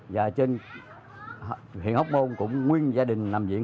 và trên huyện hóc môn cũng nguyên gia đình nằm viện